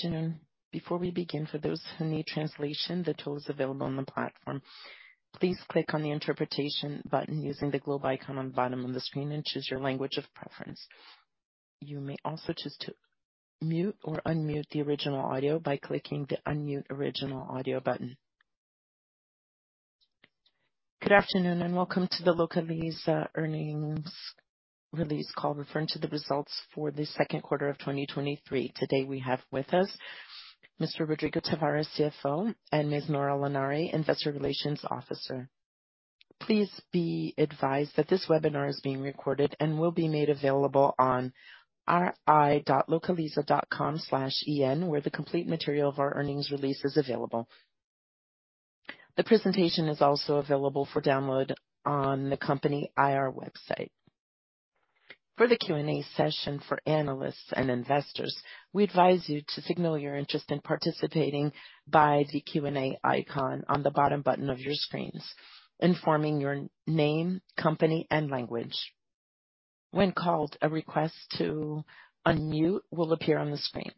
Good afternoon. Before we begin, for those who need translation, the tool is available on the platform. Please click on the interpretation button using the globe icon on the bottom of the screen and choose your language of preference. You may also choose to mute or unmute the original audio by clicking the Unmute Original Audio button. Good afternoon, and welcome to the Localiza Earnings Release Call, referring to the results for the second quarter of 2023. Today we have with us Mr. Rodrigo Tavares, CFO, and Ms. Nora Lanari, Investor Relations Officer. Please be advised that this webinar is being recorded and will be made available on ri.localiza.com/en, where the complete material of our earnings release is available. The presentation is also available for download on the company IR website. For the Q&A session for analysts and investors, we advise you to signal your interest in participating by the Q&A icon on the bottom button of your screens, informing your name, company, and language. When called, a request to unmute will appear on the screen.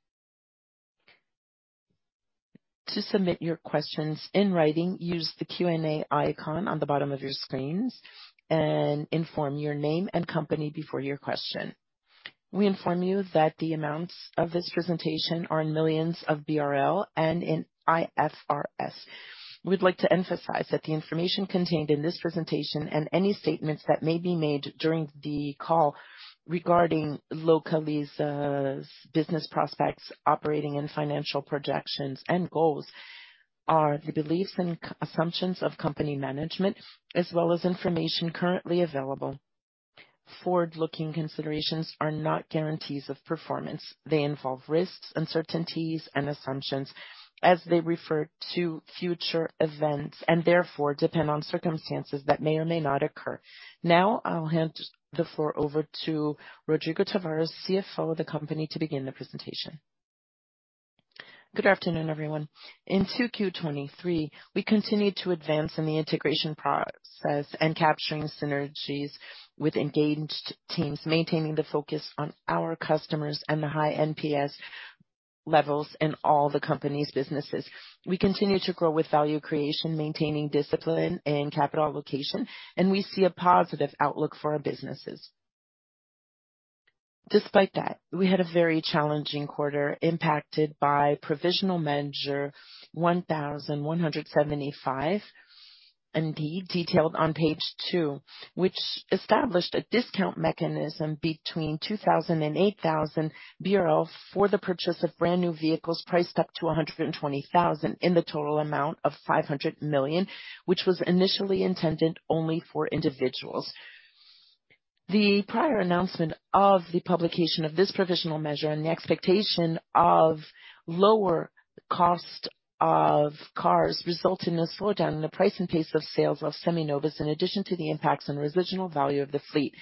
To submit your questions in writing, use the Q&A icon on the bottom of your screens and inform your name and company before your question. We inform you that the amounts of this presentation are in millions of BRL and in IFRS. We'd like to emphasize that the information contained in this presentation, and any statements that may be made during the call regarding Localiza's business prospects, operating and financial projections and goals, are the beliefs and assumptions of company management as well as information currently available. Forward-looking considerations are not guarantees of performance. They involve risks, uncertainties, and assumptions as they refer to future events and therefore depend on circumstances that may or may not occur. Now, I'll hand the floor over to Rodrigo Tavares, CFO of the company, to begin the presentation. Good afternoon, everyone. In 2Q '23, we continued to advance in the integration process and capturing synergies with engaged teams, maintaining the focus on our customers and the high NPS levels in all the company's businesses. We continue to grow with value creation, maintaining discipline and capital allocation, and we see a positive outlook for our businesses. Despite that, we had a very challenging quarter, impacted by Provisional Measure 1,175, indeed, detailed on page two, which established a discount mechanism between 2,000 and 8,000 for the purchase of brand-new vehicles priced up to 120,000, in the total amount of 500 million, which was initially intended only for individuals. The prior announcement of the publication of this provisional measure and the expectation of lower cost of cars, resulted in a slowdown in the price and pace of sales of Seminovos, in addition to the impacts on the residual value of the fleet.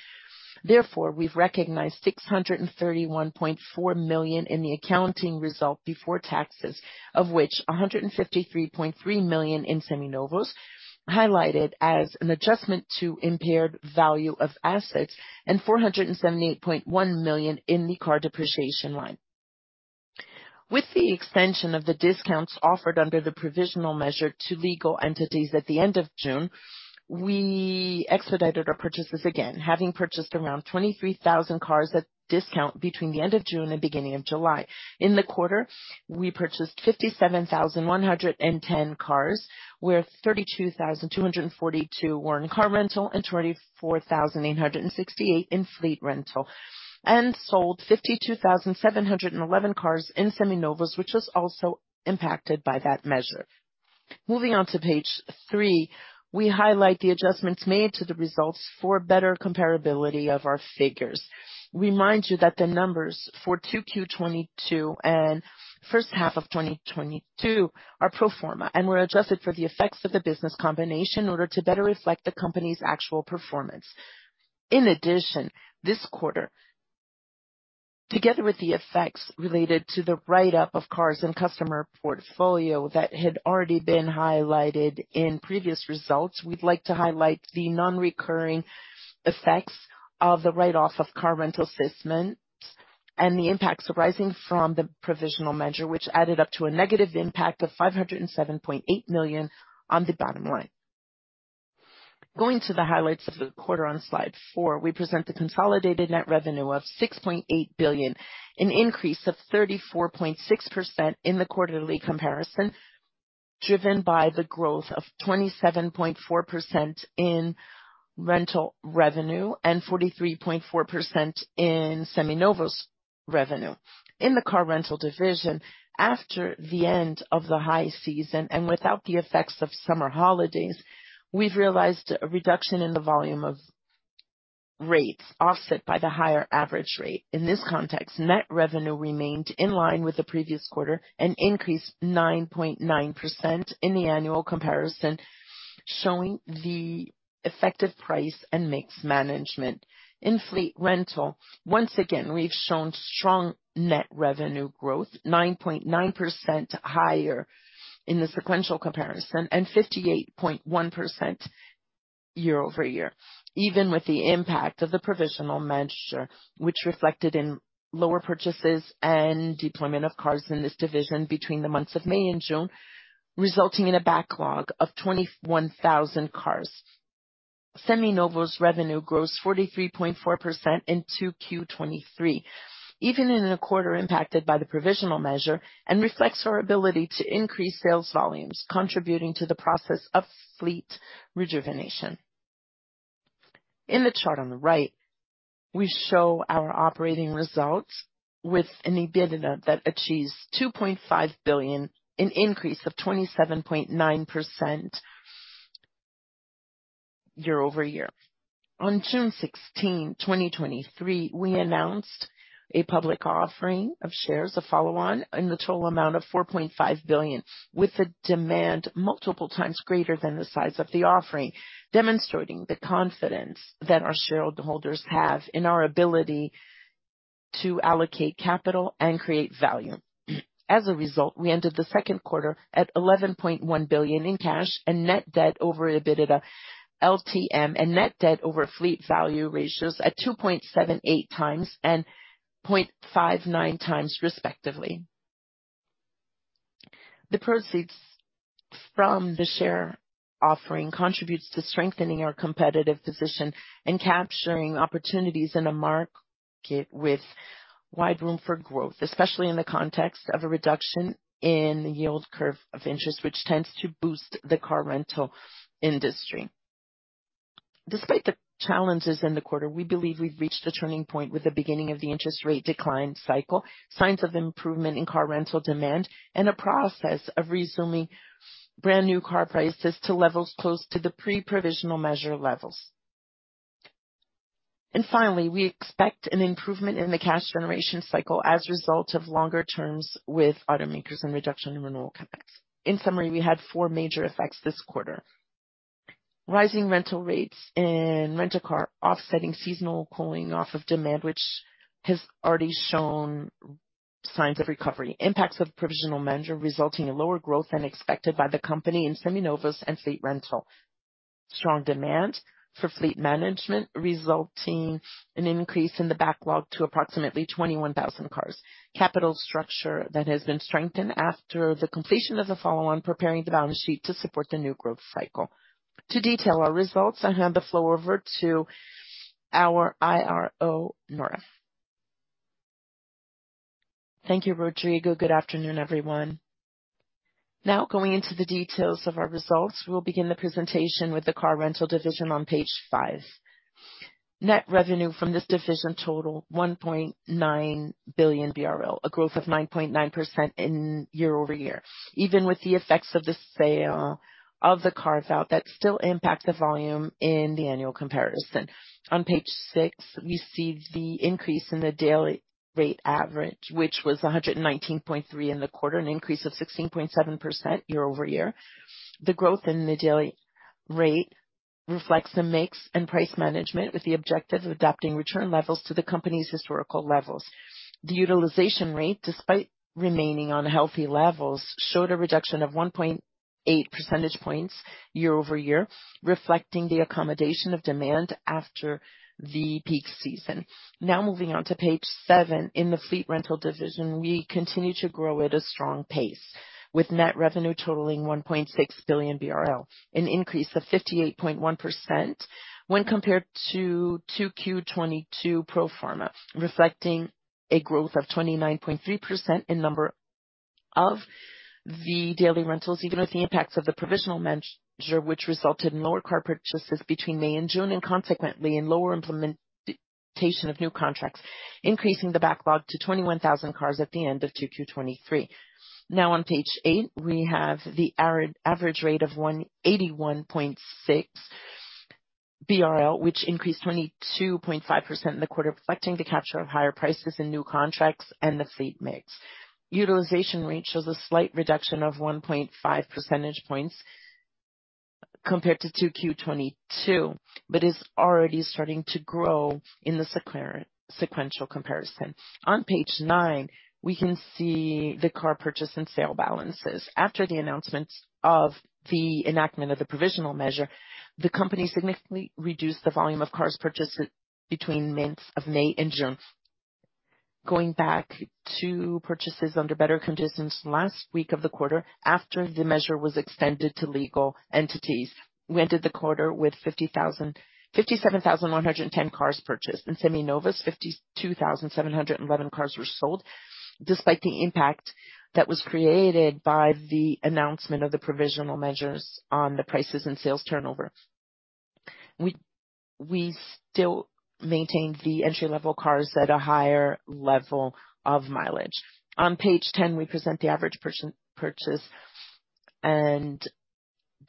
Therefore, we've recognized 631.4 million in the accounting result before taxes, of which 153.3 million in Seminovos, highlighted as an adjustment to impaired value of assets, and 478.1 million in the car depreciation line. With the extension of the discounts offered under the provisional measure to legal entities at the end of June, we expedited our purchases again, having purchased around 23,000 cars at discount between the end of June and beginning of July. In the quarter, we purchased 57,110 cars, where 32,242 were in car rental and 24,868 in fleet rental, and sold 52,711 cars in Seminovos, which was also impacted by that measure. Moving on to page 3, we highlight the adjustments made to the results for better comparability of our figures. We remind you that the numbers for 2Q 2022 and first half of 2022 are pro forma and were adjusted for the effects of the business combination in order to better reflect the company's actual performance. This quarter, together with the effects related to the write-up of cars and customer portfolio that had already been highlighted in previous results, we'd like to highlight the non-recurring effects of the write-off of car rental assessments and the impacts arising from the provisional measure, which added up to a negative impact of 507.8 million on the bottom line. Going to the highlights of the quarter on slide 4, we present the consolidated net revenue of 6.8 billion, an increase of 34.6% in the quarterly comparison, driven by the growth of 27.4% in rental revenue and 43.4% in Seminovos revenue. In the car rental division, after the end of the high season and without the effects of summer holidays, we've realized a reduction in the volume of rates, offset by the higher average rate. In this context, net revenue remained in line with the previous quarter and increased 9.9% in the annual comparison, showing the effective price and mix management. In fleet rental, once again, we've shown strong net revenue growth, 9.9% higher in the sequential comparison and 58.1%-... year-over-year, even with the impact of the Provisional Measure, which reflected in lower purchases and deployment of cars in this division between the months of May and June, resulting in a backlog of 21,000 cars. Seminovos's revenue grows 43.4% in 2Q 2023, even in a quarter impacted by the Provisional Measure, and reflects our ability to increase sales volumes, contributing to the process of fleet rejuvenation. In the chart on the right, we show our operating results with an EBITDA that achieves 2.5 billion, an increase of 27.9% year-over-year. On June 16, 2023, we announced a public offering of shares, a follow-on in the total amount of 4.5 billion, with a demand multiple times greater than the size of the offering, demonstrating the confidence that our shareholders have in our ability to allocate capital and create value. As a result, we ended the second quarter at 11.1 billion in cash and net debt over EBITDA, LTM and net debt over fleet value ratios at 2.78 times and 0.59 times, respectively. The proceeds from the share offering contributes to strengthening our competitive position and capturing opportunities in a market with wide room for growth, especially in the context of a reduction in the yield curve of interest, which tends to boost the car rental industry. Despite the challenges in the quarter, we believe we've reached a turning point with the beginning of the interest rate decline cycle, signs of improvement in car rental demand, and a process of resuming brand-new car prices to levels close to the pre-Provisional Measure levels. Finally, we expect an improvement in the cash generation cycle as a result of longer terms with automakers and reduction in renewal contracts. In summary, we had four major effects this quarter. Rising rental rates and Rent a Car offsetting seasonal cooling off of demand, which has already shown signs of recovery. Impacts of Provisional Measure resulting in lower growth than expected by the company in Seminovos and fleet rental. Strong demand for fleet management, resulting in increase in the backlog to approximately 21,000 cars. Capital structure that has been strengthened after the completion of the follow-on, preparing the balance sheet to support the new growth cycle. To detail our results, I hand the floor over to our IRO, Nora. Thank you, Rodrigo. Good afternoon, everyone. Now, going into the details of our results, we will begin the presentation with the Rent a Car division on page five. Net revenue from this division total 1.9 billion BRL, a growth of 9.9% in year-over-year, even with the effects of the sale of the carve-out that still impact the volume in the annual comparison. On page 6, you see the increase in the daily rate average, which was 119.3 in the quarter, an increase of 16.7% year-over-year. The growth in the daily rate reflects the mix and price management, with the objective of adapting return levels to the company's historical levels. The utilization rate, despite remaining on healthy levels, showed a reduction of 1.8 percentage points year-over-year, reflecting the accommodation of demand after the peak season. Now moving on to page seven. In the fleet rental division, we continue to grow at a strong pace, with net revenue totaling 1.6 billion BRL, an increase of 58.1% when compared to 2Q22 pro forma, reflecting a growth of 29.3% in number of the daily rentals, even with the impacts of the Provisional Measure, which resulted in lower car purchases between May and June, and consequently in lower implementation of new contracts, increasing the backlog to 21,000 cars at the end of 2Q23. On page 8, we have the arid- average rate of 181.6 BRL, which increased 22.5% in the quarter, reflecting the capture of higher prices in new contracts and the fleet mix. Utilization rate shows a slight reduction of 1.5 percentage points compared to 2Q 2022, but is already starting to grow in the sequential comparison. On page 9, we can see the car purchase and sale balances. After the announcement of the enactment of the Provisional Measure, the company significantly reduced the volume of cars purchased between months of May and June, going back to purchases under better conditions last week of the quarter, after the measure was extended to legal entities. We entered the quarter with 57,110 cars purchased. In Seminovos, 52,711 cars were sold. Despite the impact that was created by the announcement of the Provisional Measures on the prices and sales turnover, we still maintained the entry-level cars at a higher level of mileage. On page 10, we present the average purchase and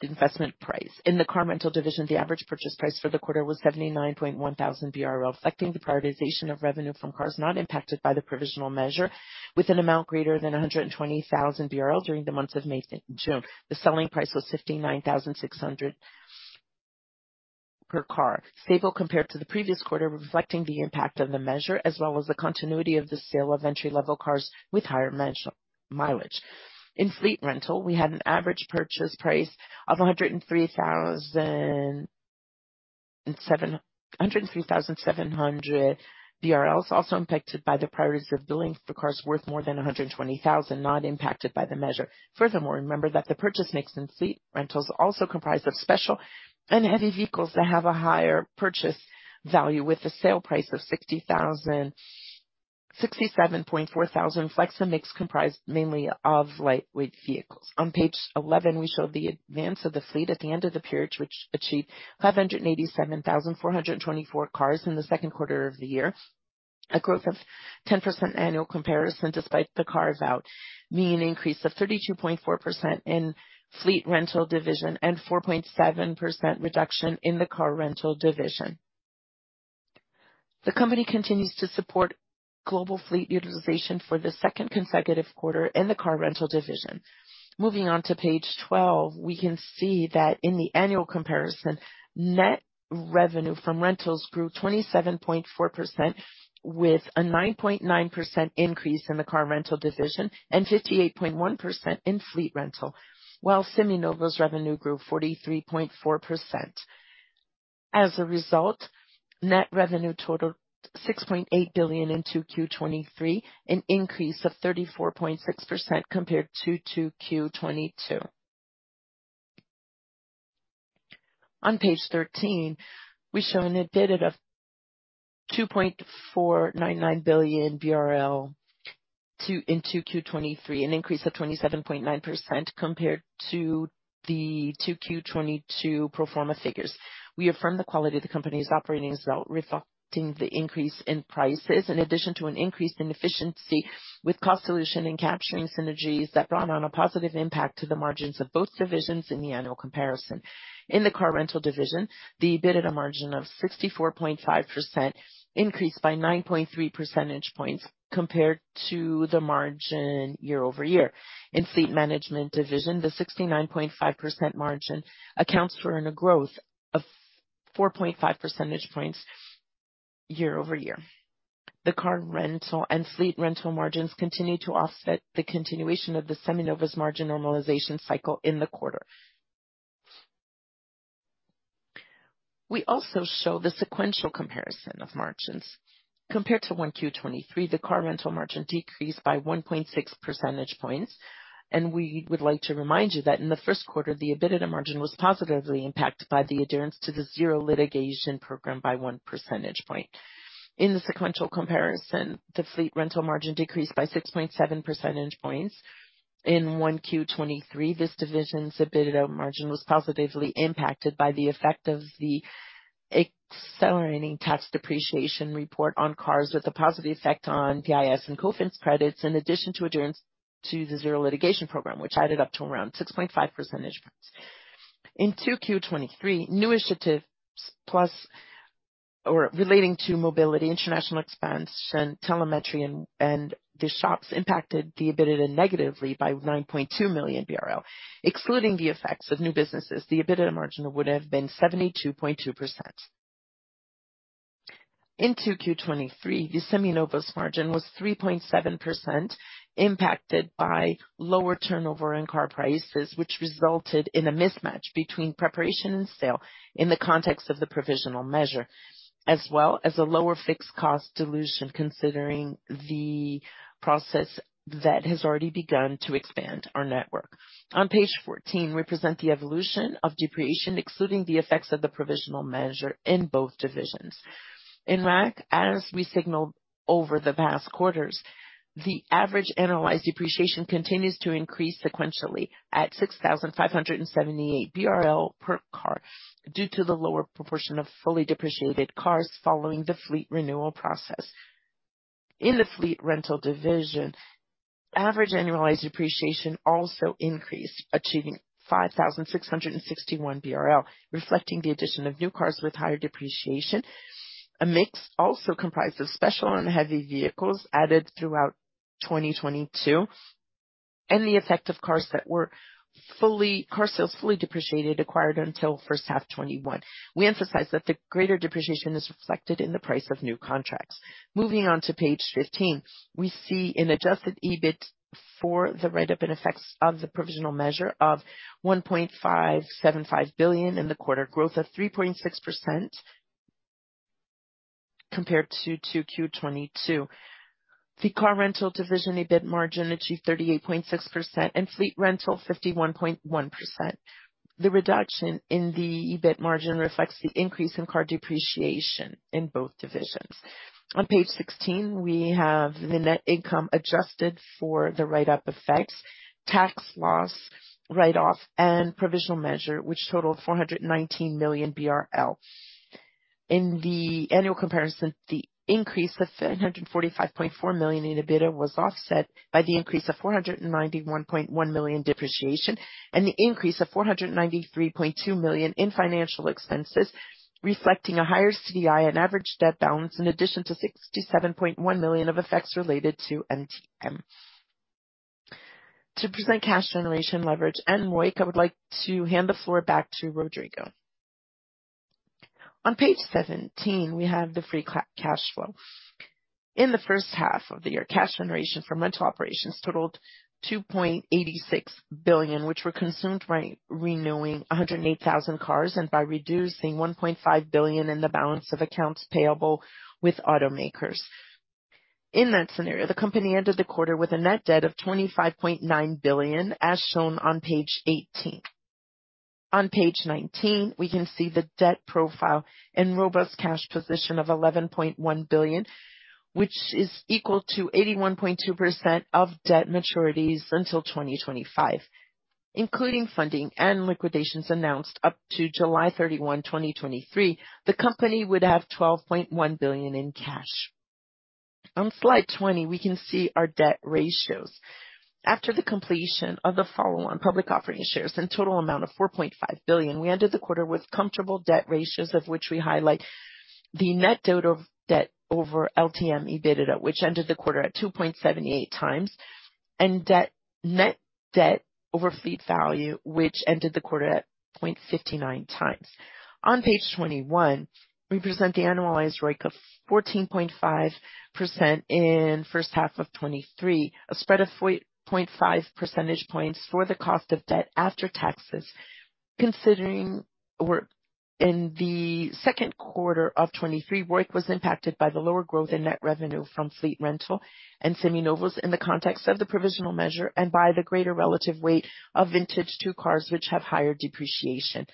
investment price. In the car rental division, the average purchase price for the quarter was 79.1 thousand BRL, reflecting the prioritization of revenue from cars not impacted by the provisional measure, with an amount greater than 120 thousand BRL during the months of May and June. The selling price was 59,600 per car, stable compared to the previous quarter, reflecting the impact of the measure as well as the continuity of the sale of entry-level cars with higher margins, mileage. In fleet rental, we had an average purchase price of 103,700 BRL, also impacted by the priorities of billing for cars worth more than 120 thousand, not impacted by the measure. Furthermore, remember that the purchase mix in fleet rentals also comprise of special and heavy vehicles that have a higher purchase value, with a sale price of 60,000, 67.4 thousand. Flex mix comprised mainly of lightweight vehicles. On page 11, we show the advance of the fleet at the end of the period, which achieved 587,424 cars in the 2Q of the year, a growth of 10% annual comparison, despite the carve-out, mean increase of 32.4% in fleet rental division and 4.7% reduction in the car rental division. The company continues to support global fleet utilization for the 2nd consecutive quarter in the car rental division. Moving on to page 12, we can see that in the annual comparison, net revenue from rentals grew 27.4%, with a 9.9% increase in the car rental division and 58.1% in fleet rental, while Seminovos revenue grew 43.4%. As a result, net revenue totaled 6.8 billion in 2Q '23, an increase of 34.6% compared to 2Q '22. On page 13, we show an EBITDA of BRL 2.499 billion in 2Q '23, an increase of 27.9% compared to the 2Q '22 pro forma figures. We affirm the quality of the company's operating result, reflecting the increase in prices in addition to an increase in efficiency with cost dilution and capturing synergies that brought on a positive impact to the margins of both divisions in the annual comparison. In the Rent a Car division, the EBITDA margin of 64.5% increased by 9.3 percentage points compared to the margin year-over-year. In fleet management division, the 69.5% margin accounts for a growth of 4.5 percentage points year-over-year. The Rent a Car and fleet rental margins continue to offset the continuation of the Seminovos margin normalization cycle in the quarter. We also show the sequential comparison of margins. Compared to 1Q 2023, the car rental margin decreased by 1.6 percentage points. We would like to remind you that in the first quarter, the EBITDA margin was positively impacted by the adherence to the Zero Litigation Program by 1 percentage point. In the sequential comparison, the fleet rental margin decreased by 6.7 percentage points. In 1Q 2023, this division's EBITDA margin was positively impacted by the effect of the accelerating tax depreciation report on cars, with a positive effect on PIS and COFINS credits, in addition to adherence to the Zero Litigation Program, which added up to around 6.5 percentage points. In 2Q 2023, new initiatives relating to mobility, international expansion, telemetry and the shops impacted the EBITDA negatively by 9.2 million BRL. Excluding the effects of new businesses, the EBITDA margin would have been 72.2%. In 2Q '23, the Seminovos margin was 3.7%, impacted by lower turnover in car prices, which resulted in a mismatch between preparation and sale in the context of the Provisional Measure, as well as a lower fixed cost dilution, considering the process that has already begun to expand our network. On page 14, we present the evolution of depreciation, excluding the effects of the Provisional Measure in both divisions. In RAC, as we signaled over the past quarters, the average annualized depreciation continues to increase sequentially at 6,578 BRL per car due to the lower proportion of fully depreciated cars following the fleet renewal process. In the fleet rental division, average annualized depreciation also increased, achieving 5,661 BRL, reflecting the addition of new cars with higher depreciation. A mix also comprised of special and heavy vehicles added throughout 2022, and the effect of cars that were fully depreciated, acquired until first half 2021. We emphasize that the greater depreciation is reflected in the price of new contracts. Moving on to page 15. We see an adjusted EBIT for the write-up and effects of the provisional measure of 1.575 billion in the quarter, growth of 3.6% compared to 2Q 2022. The car rental division, EBIT margin, achieved 38.6% and fleet rental 51.1%. The reduction in the EBIT margin reflects the increase in car depreciation in both divisions. On page 16, we have the net income adjusted for the write-up effects, tax loss, write-off and provisional measure, which totaled 419 million BRL. In the annual comparison, the increase of 845.4 million in EBITDA was offset by the increase of 491.1 million depreciation and the increase of 493.2 million in financial expenses, reflecting a higher CDI and average debt balance, in addition to 67.1 million of effects related to MTM. To present cash generation leverage and ROIC, I would like to hand the floor back to Rodrigo. On page 17, we have the free cash flow. In the first half of the year, cash generation from rental operations totaled 2.86 billion, which were consumed by renewing 108,000 cars and by reducing 1.5 billion in the balance of accounts payable with automakers. In that scenario, the company ended the quarter with a net debt of 25.9 billion, as shown on page 18. On page 19, we can see the debt profile and robust cash position of 11.1 billion, which is equal to 81.2% of debt maturities until 2025. Including funding and liquidations announced up to July 31, 2023, the company would have 12.1 billion in cash. On slide 20, we can see our debt ratios. After the completion of the follow-on public offering shares in total amount of 4.5 billion, we ended the quarter with comfortable debt ratios, of which we highlight the net debt over LTM EBITDA, which ended the quarter at 2.78 times, and net debt over fleet value, which ended the quarter at 0.59 times. On page 21, we present the annualized ROIC of 14.5% in first half of 2023, a spread of 4.5 percentage points for the cost of debt after taxes. In the second quarter of 2023, ROIC was impacted by the lower growth in net revenue from fleet rental and Seminovos, in the context of the provisional measure, and by the greater relative weight of vintage two cars, which have higher depreciation.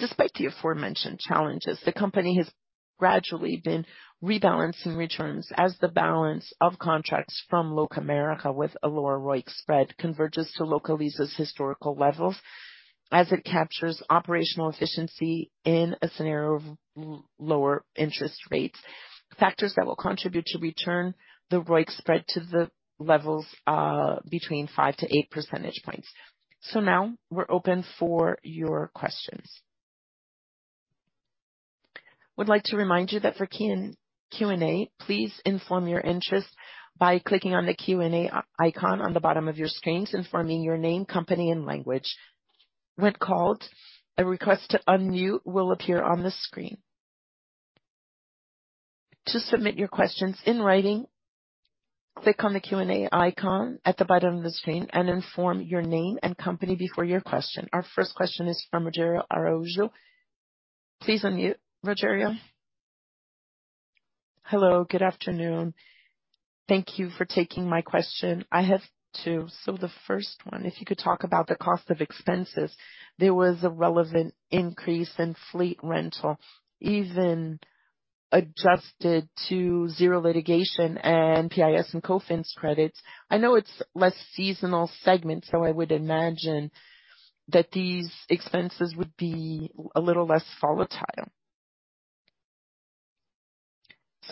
Despite the aforementioned challenges, the company has gradually been rebalancing returns as the balance of contracts from Locamerica, with a lower ROIC spread, converges to Localiza's historical levels as it captures operational efficiency in a scenario of lower interest rates, factors that will contribute to return the ROIC spread to the levels, between 5-8 percentage points. Now we're open for your questions. We'd like to remind you that for Q&A, please inform your interest by clicking on the Q&A icon on the bottom of your screens, informing your name, company, and language. When called, a request to unmute will appear on the screen. To submit your questions in writing, click on the Q&A icon at the bottom of the screen and inform your name and company before your question. Our first question is from Rogerio Araujo. Please unmute, Rogério. Hello, good afternoon. Thank you for taking my question. I have two. The first one, if you could talk about the cost of expenses, there was a relevant increase in fleet rental, even adjusted to Zero Litigation and PIS and COFINS credits. I know it's less seasonal segment, I would imagine that these expenses would be a little less volatile.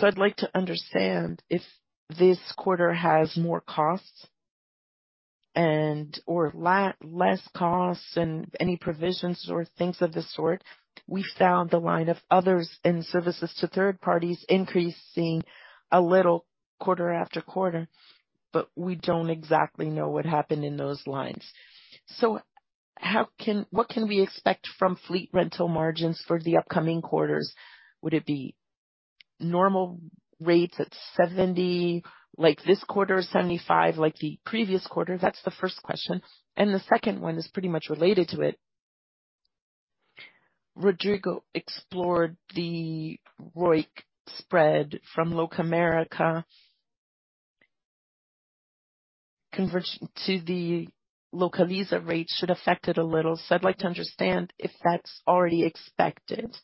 I'd like to understand if this quarter has more costs and, or less costs and any provisions or things of the sort. We found the line of others and services to third parties increasing a little quarter after quarter, but we don't exactly know what happened in those lines. What can we expect from fleet rental margins for the upcoming quarters? Would it be normal rates at 70, like this quarter, or 75 like the previous quarter? That's the first question, and the second one is pretty much related to it. Rodrigo explored the ROIC spread from Locamerica, conversion to the Localiza rate should affect it a little. I'd like to understand, if that's already expected,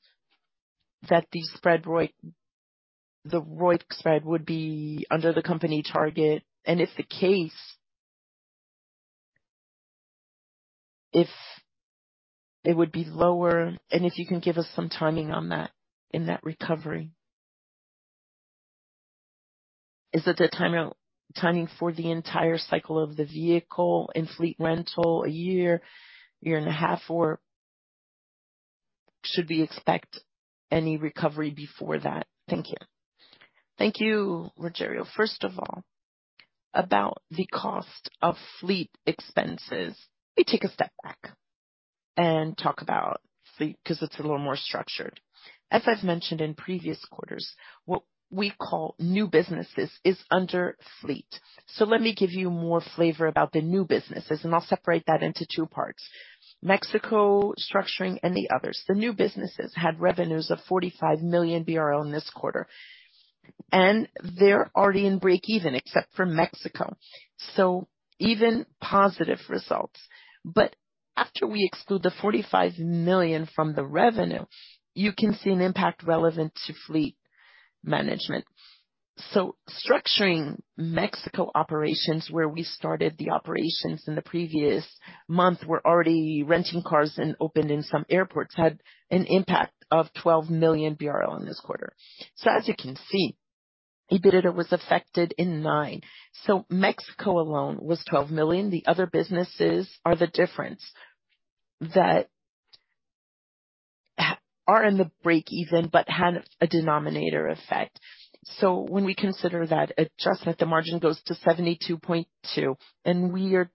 that the spread ROIC, the ROIC spread would be under the company target, and if the case, if it would be lower, and if you can give us some timing on that, in that recovery. Is it the timing for the entire cycle of the vehicle in fleet rental, 1 year, 1.5 years, or should we expect any recovery before that? Thank you. Thank you, Rogerio. First of all, about the cost of fleet expenses. Let me take a step back and talk about fleet, because it's a little more structured. As I've mentioned in previous quarters, what we call new businesses is under fleet. Let me give you more flavor about the new businesses, and I'll separate that into two parts: Mexico structuring and the others. The new businesses had revenues of 45 million BRL in this quarter, and they're already in break-even, except for Mexico. Even positive results. After we exclude the 45 million from the revenue, you can see an impact relevant to fleet management. Structuring Mexico operations, where we started the operations in the previous month, we're already renting cars and open in some airports, had an impact of 12 million BRL in this quarter. As you can see, EBITDA was affected in 9 million. Mexico alone was 12 million. The other businesses are the difference that are in the break-even, but had a denominator effect. When we consider that adjustment, the margin goes to 72.2%.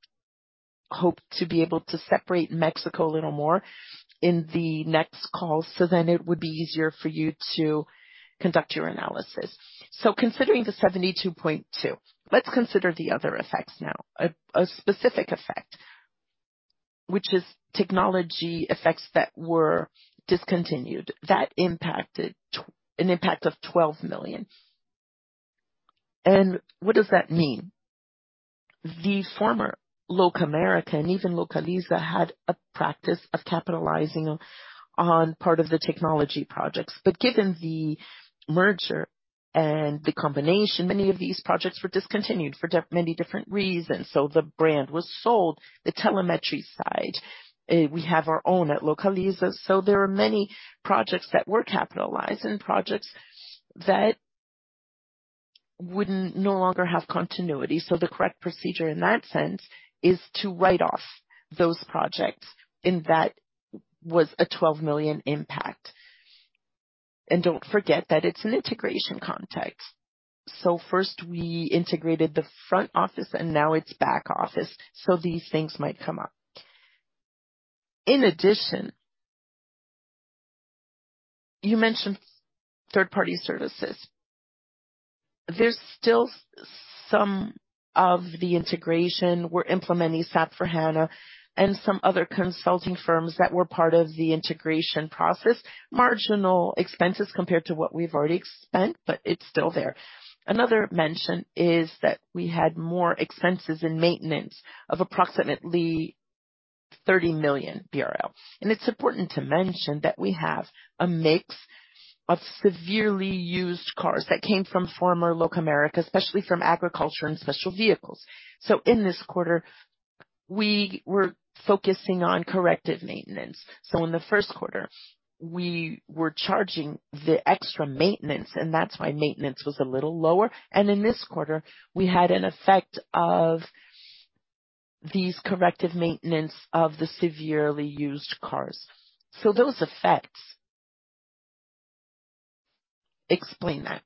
hope to be able to separate Mexico a little more in the next call. It would be easier for you to conduct your analysis. Considering the 72.2, let's consider the other effects now. A specific effect, which is technology effects that were discontinued, that impacted an impact of 12 million. What does that mean? The former Locamerica, and even Localiza, had a practice of capitalizing on part of the technology projects. Given the merger and the combination, many of these projects were discontinued for many different reasons. The brand was sold. The telemetry side, we have our own at Localiza. There are many projects that were capitalized and projects that wouldn't no longer have continuity. The correct procedure in that sense is to write off those projects, and that was a 12 million impact. Don't forget that it's an integration context. First we integrated the front office, and now it's back office, so these things might come up. In addition, you mentioned third-party services. There's still some of the integration. We're implementing SAP S/4HANA and some other consulting firms that were part of the integration process. Marginal expenses compared to what we've already spent, but it's still there. Another mention is that we had more expenses in maintenance of approximately 30 million BRL. It's important to mention that we have a mix of severely used cars that came from former Locamerica, especially from agriculture and special vehicles. In this quarter, we were focusing on corrective maintenance. In the first quarter, we were charging the extra maintenance, and that's why maintenance was a little lower. In this quarter, we had an effect of these corrective maintenance of the severely used cars. Those effects explain that.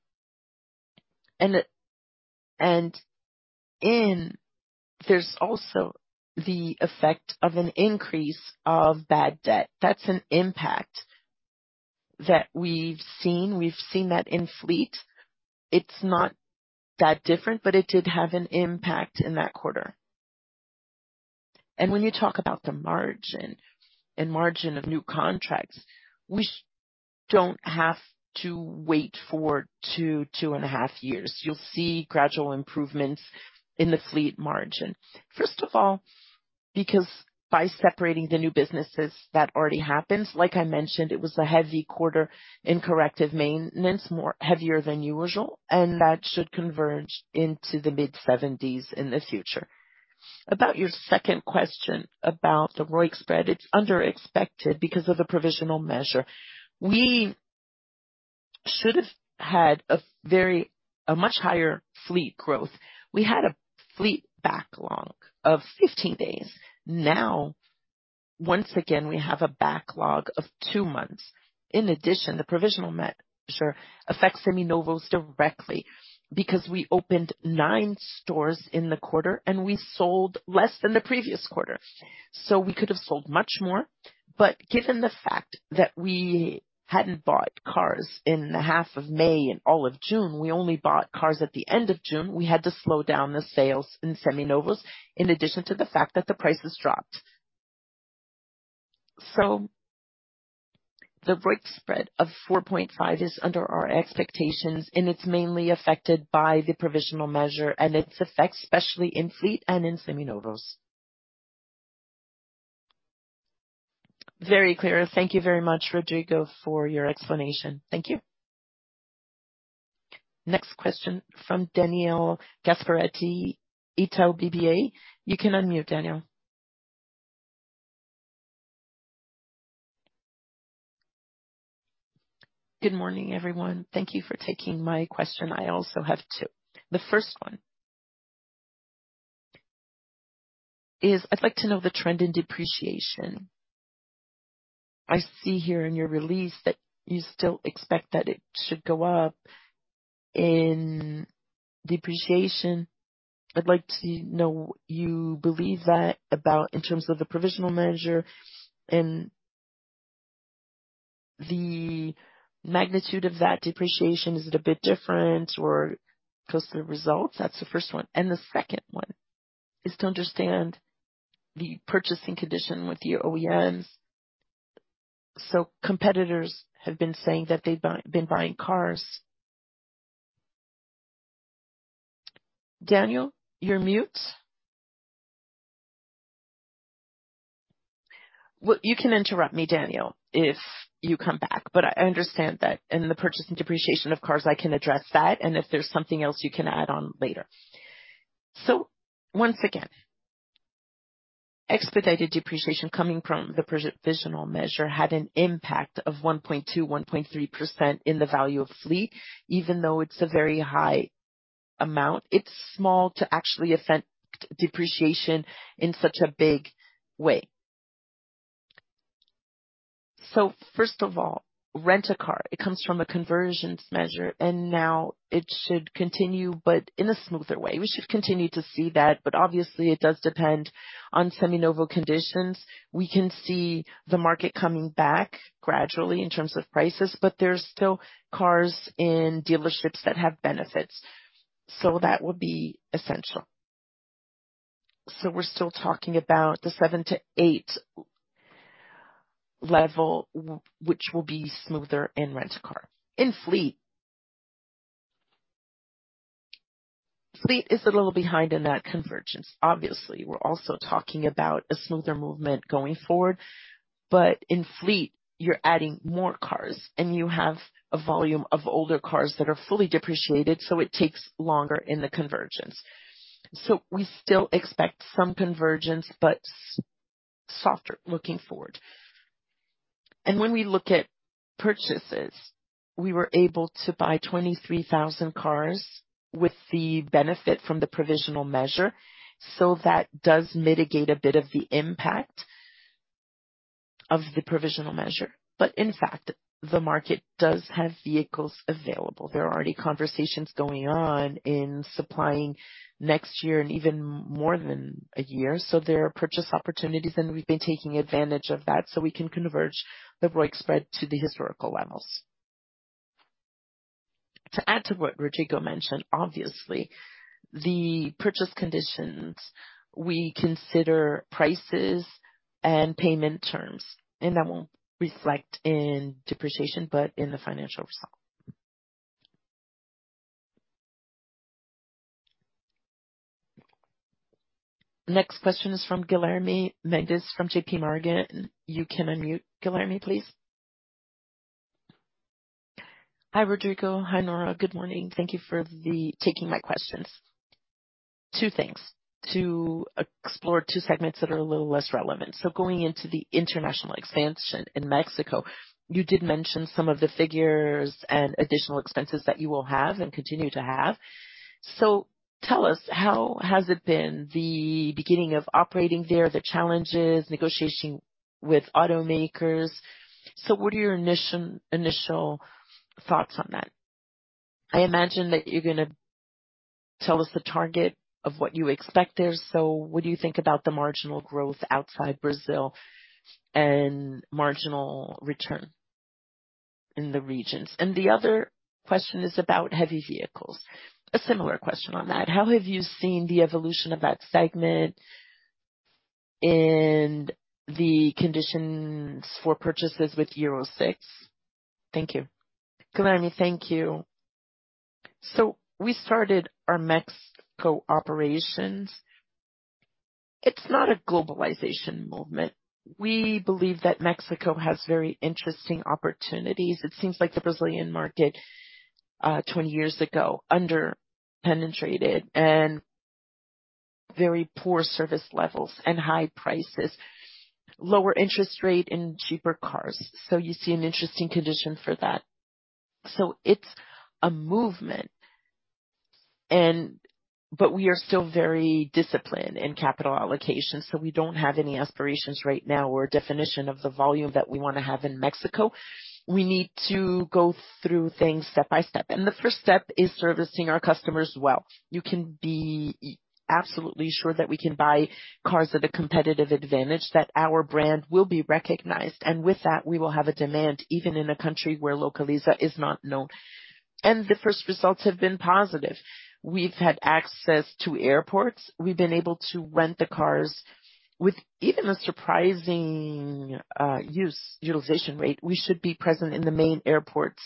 There's also the effect of an increase of bad debt. That's an impact that we've seen. We've seen that in fleet. It's not that different, but it did have an impact in that quarter. When you talk about the margin and margin of new contracts, we don't have to wait for 2, 2.5 years. You'll see gradual improvements in the fleet margin. First of all, because by separating the new businesses, that already happens. Like I mentioned, it was a heavy quarter in corrective maintenance, more heavier than usual, and that should converge into the mid-70s in the future. About your second question, about the ROIC spread, it's under expected because of the Provisional Measure. We should have had a much higher fleet growth. We had a fleet backlog of 15 days. Now, once again, we have a backlog of 2 months. In addition, the provisional measure affects Seminovos directly because we opened 9 stores in the quarter and we sold less than the previous quarter. We could have sold much more, but given the fact that we hadn't bought cars in the half of May and all of June, we only bought cars at the end of June. We had to slow down the sales in Seminovos, in addition to the fact that the prices dropped. The ROIC spread of 4.5 is under our expectations, and it's mainly affected by the provisional measure and its effects, especially in fleet and in Seminovos. Very clear. Thank you very much, Rodrigo, for your explanation. Thank you. Next question from Daniel Gasparete, Itaú BBA. You can unmute, Daniel. Good morning, everyone. Thank you for taking my question. I also have two. The first one is I'd like to know the trend in depreciation. I see here in your release that you still expect that it should go up in depreciation. I'd like to know you believe that about in terms of the Provisional Measure and the magnitude of that depreciation. Is it a bit different or close to the results? That's the first one. The second one is to understand the purchasing condition with your OEMs. Competitors have been saying that they've been buying cars. Daniel, you're mute. Well, you can interrupt me, Daniel, if you come back, but I understand that in the purchase and depreciation of cars, I can address that, and if there's something else, you can add on later. Once again, expedited depreciation coming from the Provisional Measure had an impact of 1.2%-1.3% in the value of fleet. Even though it's a very high amount, it's small to actually affect depreciation in such a big way. First of all, Rent a Car. It comes from a conversions measure, and now it should continue, but in a smoother way. We should continue to see that, but obviously it does depend on Seminovos conditions. We can see the market coming back gradually in terms of prices, but there's still cars in dealerships that have benefits, so that will be essential. We're still talking about the 7-8 level, which will be smoother in Rent a Car. In fleet, fleet is a little behind in that convergence. Obviously, we're also talking about a smoother movement going forward, but in fleet, you're adding more cars and you have a volume of older cars that are fully depreciated, so it takes longer in the convergence. We still expect some convergence, but softer looking forward. When we look at purchases, we were able to buy 23,000 cars with the benefit from the Provisional Measure. That does mitigate a bit of the impact of the Provisional Measure. In fact, the market does have vehicles available. There are already conversations going on in supplying next year and even more than a year. There are purchase opportunities, and we've been taking advantage of that, so we can converge the ROIC spread to the historical levels. To add to what Rodrigo mentioned, obviously, the purchase conditions, we consider prices and payment terms, and that won't reflect in depreciation, but in the financial result. Next question is from Guilherme Mendes, from J.P. Morgan. You can unmute, Guilherme, please. Hi, Rodrigo. Hi, Nora. Good morning. Thank you for taking my questions. Two things, to explore two segments that are a little less relevant. Going into the international expansion in Mexico, you did mention some of the figures and additional expenses that you will have and continue to have. Tell us, how has it been, the beginning of operating there, the challenges, negotiation with automakers. What are your initial thoughts on that? I imagine that you're gonna tell us the target of what you expect there. What do you think about the marginal growth outside Brazil and marginal return in the regions? The other question is about heavy vehicles. A similar question on that, how have you seen the evolution of that segment and the conditions for purchases with Euro VI? Thank you. Guilherme, thank you. We started our Mexico operations. It's not a globalization movement. We believe that Mexico has very interesting opportunities. It seems like the Brazilian market, 20 years ago, under-penetrated and very poor service levels and high prices, lower interest rate and cheaper cars. You see an interesting condition for that. It's a movement, and We are still very disciplined in capital allocation, so we don't have any aspirations right now or definition of the volume that we want to have in Mexico. We need to go through things step by step, and the first step is servicing our customers well. You can be absolutely sure that we can buy cars at a competitive advantage, that our brand will be recognized, and with that, we will have a demand, even in a country where Localiza is not known. The first results have been positive. We've had access to airports. We've been able to rent the cars with even a surprising use- utilization rate. We should be present in the main airports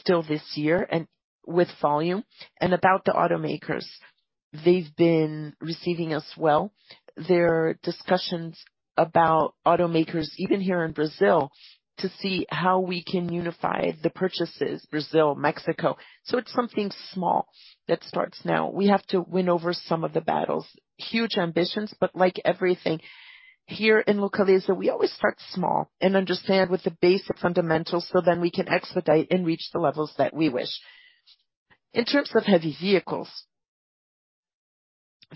still this year, and with volume. About the automakers, they've been receiving us well. There are discussions about automakers, even here in Brazil, to see how we can unify the purchases, Brazil, Mexico. It's something small that starts now. We have to win over some of the battles. Huge ambitions, like everything here in Localiza, we always start small and understand what the basic fundamentals, so then we can expedite and reach the levels that we wish. In terms of heavy vehicles,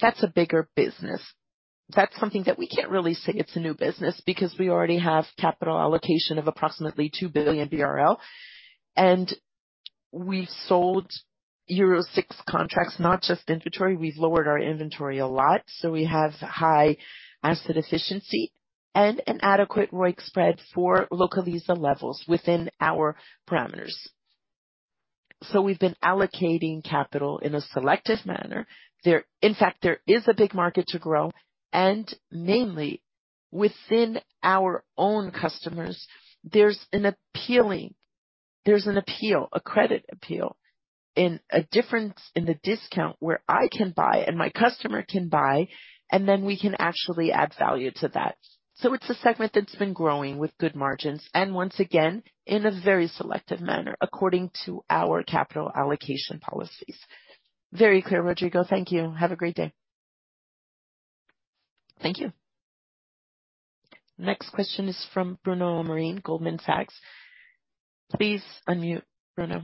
that's a bigger business. That's something that we can't really say it's a new business because we already have capital allocation of approximately 2 billion BRL, and we've sold Euro VI contracts, not just inventory. We've lowered our inventory a lot, so we have high asset efficiency and an adequate ROIC spread for Localiza levels within our parameters. We've been allocating capital in a selective manner. In fact, there is a big market to grow, mainly within our own customers, there's an appealing, there's an appeal, a credit appeal and a difference in the discount where I can buy and my customer can buy, and then we can actually add value to that. It's a segment that's been growing with good margins, and once again, in a very selective manner according to our capital allocation policies. Very clear, Rodrigo. Thank you. Have a great day. Thank you. Next question is from Bruno Amorim, Goldman Sachs. Please unmute, Bruno.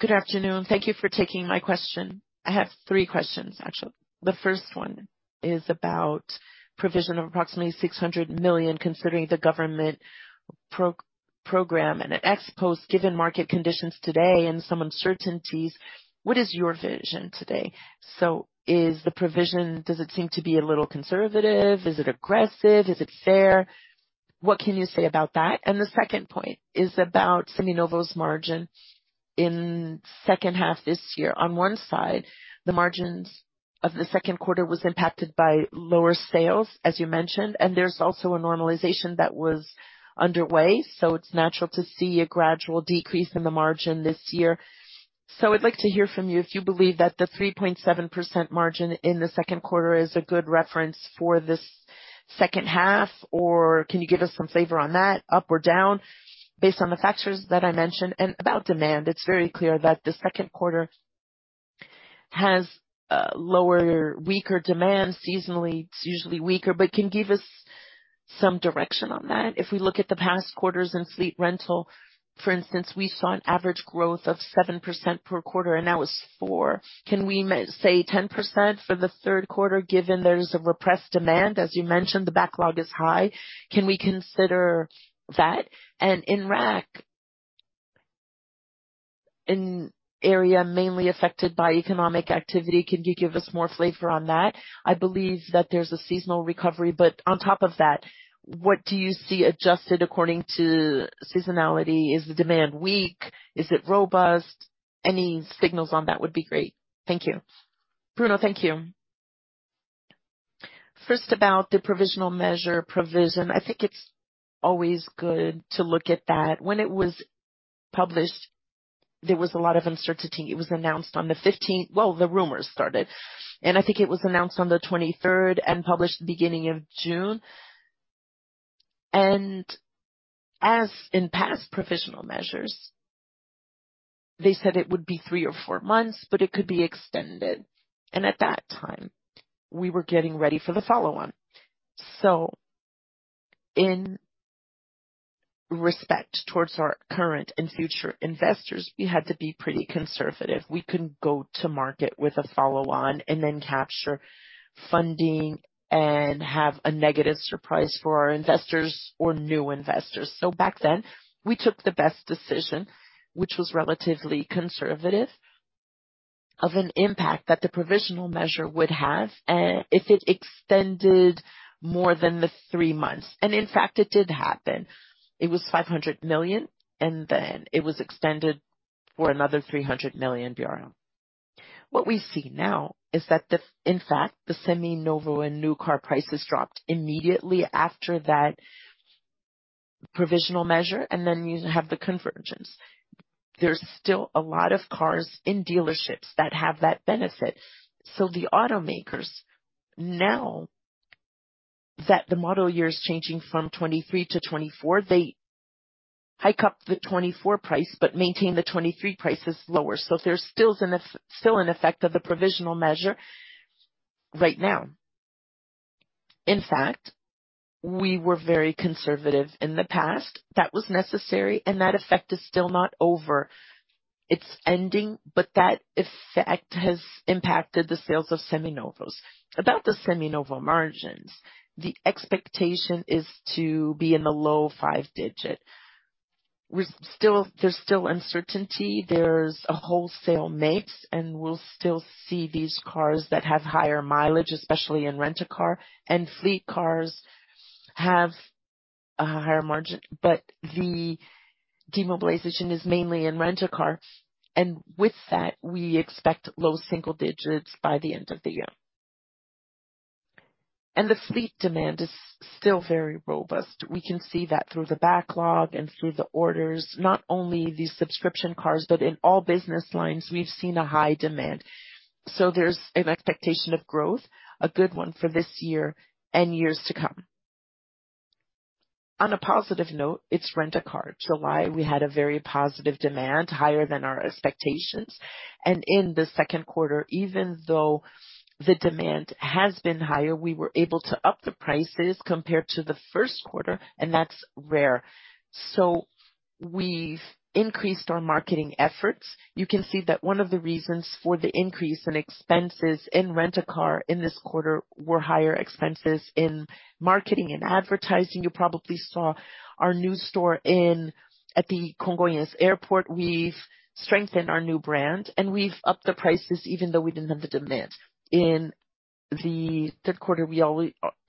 Good afternoon. Thank you for taking my question. I have three questions, actually. The first one is about provision of approximately 600 million, considering the government program and an ex-post, given market conditions today and some uncertainties, what is your vision today? Is the provision, does it seem to be a little conservative? Is it aggressive? Is it fair? What can you say about that? The second point is about Seminovos' margin in 2H this year. On one side, the margins of the 2Q was impacted by lower sales, as you mentioned, and there's also a normalization that was underway, so it's natural to see a gradual decrease in the margin this year. I'd like to hear from you if you believe that the 3.7% margin in the 2Q is a good reference for this 2H, or can you give us some flavor on that, up or down, based on the factors that I mentioned? About demand, it's very clear that the 2Q has lower, weaker demand. Seasonally, it's usually weaker, but can give us some direction on that. If we look at the past quarters in fleet rental, for instance, we saw an average growth of 7% per quarter, and now it's 4%. Can we say 10% for the third quarter, given there's a repressed demand? As you mentioned, the backlog is high. Can we consider that? In RAC, an area mainly affected by economic activity, can you give us more flavor on that? I believe that there's a seasonal recovery, on top of that, what do you see adjusted according to seasonality? Is the demand weak? Is it robust? Any signals on that would be great. Thank you. Bruno, thank you. First, about the Provisional Measure provision. I think it's always good to look at that. When it was published, there was a lot of uncertainty. It was announced on the 15th. Well, the rumors started. I think it was announced on the 23rd and published the beginning of June. As in past provisional measures, they said it would be 3 or 4 months, but it could be extended, and at that time, we were getting ready for the follow-on. In respect towards our current and future investors, we had to be pretty conservative. We couldn't go to market with a follow-on and then capture funding and have a negative surprise for our investors or new investors. Back then, we took the best decision, which was relatively conservative, of an impact that the provisional measure would have if it extended more than the 3 months, and in fact, it did happen. It was 500 million, and then it was extended for another 300 million. What we see now is that, in fact, the seminovo and new car prices dropped immediately after that Provisional Measure. Then you have the convergence. There's still a lot of cars in dealerships that have that benefit. The automakers, now that the model year is changing from '23 to '24, they hike up the '24 price but maintain the '23 prices lower. There's still an effect of the Provisional Measure right now. In fact, we were very conservative in the past. That was necessary. That effect is still not over. It's ending. That effect has impacted the sales of seminovos. About the Seminovos margins, the expectation is to be in the low 5-digit. There's still uncertainty. There's a wholesale mix, and we'll still see these cars that have higher mileage, especially in Rent a Car, and fleet cars have a higher margin, but the demobilization is mainly in Rent a Car, and with that, we expect low single digits by the end of the year. The fleet demand is still very robust. We can see that through the backlog and through the orders, not only these subscription cars, but in all business lines, we've seen a high demand. So there's an expectation of growth, a good one for this year and years to come. On a positive note, it's Rent a Car. July, we had a very positive demand, higher than our expectations, and in the second quarter, even though the demand has been higher, we were able to up the prices compared to the first quarter, and that's rare. So we've increased our marketing efforts. You can see that one of the reasons for the increase in expenses in Rent a Car in this quarter were higher expenses in marketing and advertising. You probably saw our new store in, at the Congonhas Airport. We've strengthened our new brand, and we've upped the prices, even though we didn't have the demand. In the third quarter, we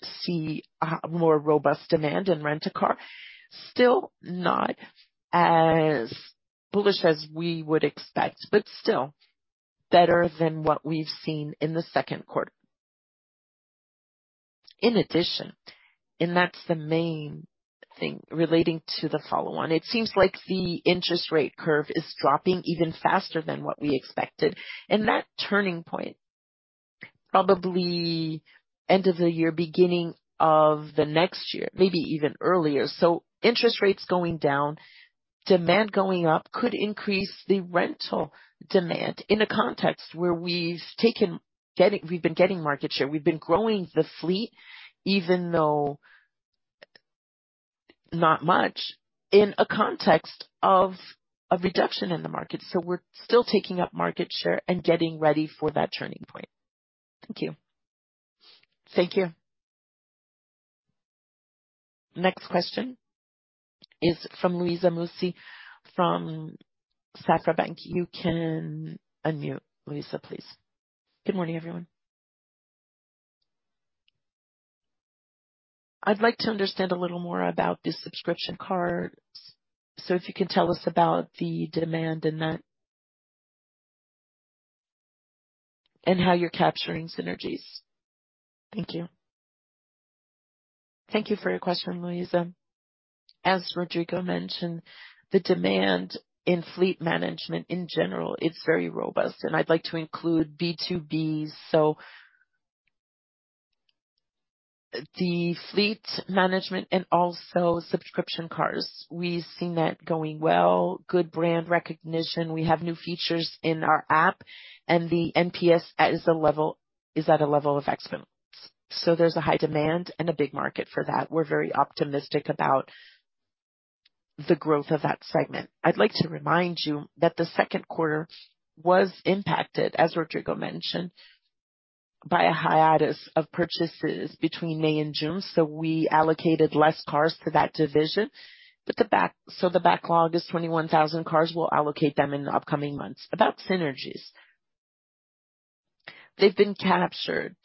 see a more robust demand in Rent a Car. Still not as bullish as we would expect, but still better than what we've seen in the second quarter. In addition, and that's the main thing relating to the follow-on, it seems like the interest rate curve is dropping even faster than what we expected. That turning point, probably end of the year, beginning of the next year, maybe even earlier. Interest rates going down, demand going up, could increase the rental demand in a context where we've been getting market share. We've been growing the fleet, not much in a context of a reduction in the market. We're still taking up market share and getting ready for that turning point. Thank you. Thank you. Next question is from Luiza Mussi from Banco Safra. You can unmute, Luiza, please. Good morning, everyone. I'd like to understand a little more about the subscription cars. If you can tell us about the demand in that, and how you're capturing synergies. Thank you. Thank you for your question, Luiza. As Rodrigo mentioned, the demand in fleet management in general is very robust, and I'd like to include B2Bs. The fleet management and also subscription cars, we've seen that going well. Good brand recognition. We have new features in our app, and the NPS is at a level of excellence, so there's a high demand and a big market for that. We're very optimistic about the growth of that segment. I'd like to remind you that the second quarter was impacted, as Rodrigo mentioned, by a hiatus of purchases between May and June. We allocated less cars to that division. The backlog is 21,000 cars. We'll allocate them in the upcoming months. About synergies, they've been captured.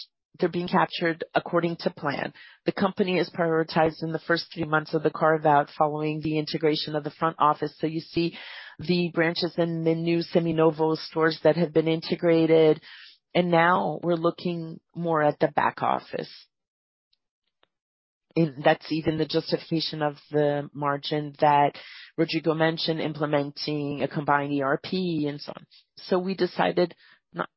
They're being captured according to plan. The company has prioritized in the first three months of the carve-out following the integration of the front office. You see the branches and the new Seminovos stores that have been integrated, and now we're looking more at the back office. That's even the justification of the margin that Rodrigo mentioned, implementing a combined ERP and so on. We decided not